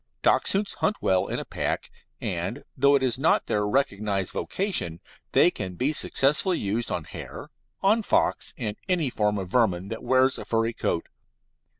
Dachshunds hunt well in a pack, and, though it is not their recognised vocation, they can be successfully used on hare, on fox, and any form of vermin that wears a furry coat.